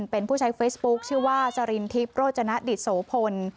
เป็นผู้ใช้เฟซบุ๊คชื่อว่าสรินทิพย์โรจนดิตโสพล